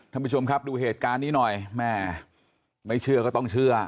ท่านผู้ชมครับดูเหตุการณ์นี้หน่อยแม่ไม่เชื่อก็ต้องเชื่อ